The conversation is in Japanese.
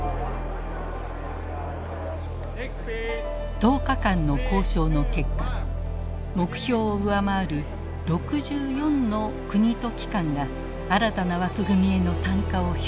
１０日間の交渉の結果目標を上回る６４の国と機関が新たな枠組みへの参加を表明。